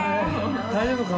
大丈夫か？